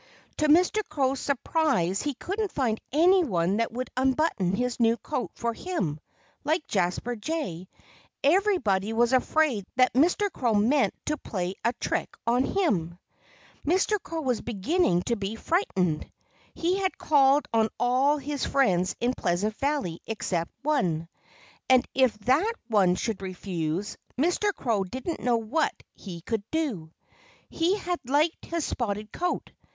To Mr. Crow's surprise he couldn't find anyone that would unbutton his new coat for him; like Jasper Jay, everybody was afraid that Mr. Crow meant to play a trick on him. Mr. Crow was beginning to be frightened. He had called on all his friends in Pleasant Valley except one. And if that one should refuse, Mr. Crow didn't know what he could do. He had liked his spotted coat.